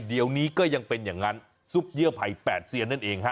เดี๋ยวนี้ก็ยังเป็นอย่างนั้นซุปเยื่อไผ่๘เซียนนั่นเองฮะ